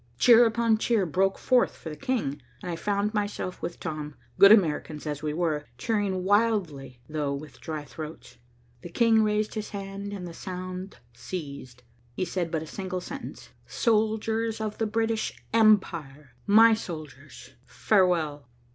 Cheer upon cheer broke forth for the King, and I found myself with Tom, good Americans as we were, cheering wildly, though with dry throats. The King raised his hand and the sound ceased. He said but a single sentence. "Soldiers of the British Empire! My soldiers, farewell!"